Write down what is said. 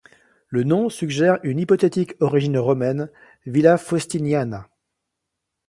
Le nom suggère une hypothétique origine romaine, villa Faustiniana.